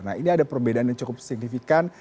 nah ini ada perbedaan yang cukup signifikan